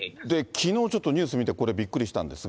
きのうちょっとニュース見て、ちょっとびっくりしたんですが。